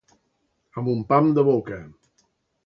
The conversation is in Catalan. Amb un pam de boca.